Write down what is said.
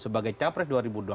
sebagai capres dua ribu dua puluh